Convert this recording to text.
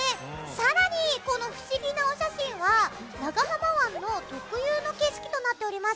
更に、この不思議なお写真は長浜湾の特有の景色となっております。